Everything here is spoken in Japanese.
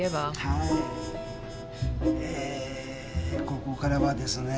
ここからはですね。